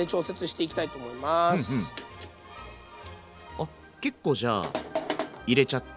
あ結構じゃあ入れちゃって。